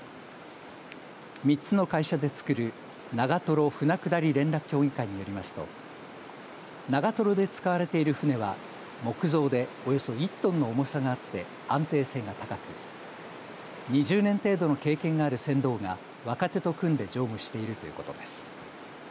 ３つの会社でつくる長瀞舟下り連絡協議会によりますと長瀞で使われている舟は木造でおよそ１トンの重さがあって安定性が高く２０年程度の経験がある船頭が若手と組んで乗務しているということです。